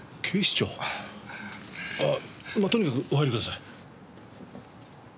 まあとにかくお入りください。